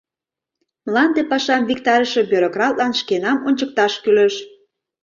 — Мланде пашам виктарыше бюрократлан шкенам ончыкташ кӱлеш.